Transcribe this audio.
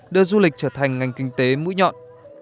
đưa du lịch trở thành ngành kinh tế mũi nhọn